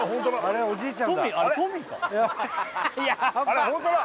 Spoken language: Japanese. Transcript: あれホントだ！